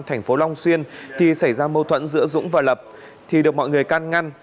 thành phố long xuyên thì xảy ra mâu thuẫn giữa dũng và lập thì được mọi người can ngăn